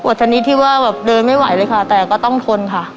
ชนิดที่ว่าแบบเดินไม่ไหวเลยค่ะแต่ก็ต้องทนค่ะ